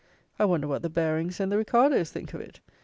I wonder what the Barings and the Ricardos think of it.